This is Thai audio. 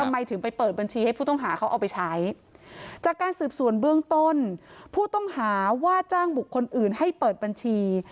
ทำไมถึงไปเปิดบัญชีให้ผู้ต้องหาเขาเอาไปใช้จากการสืบสวนเบื้องต้นผู้ต้องหาว่าจ้างบุคคลอื่นให้เปิดบัญชี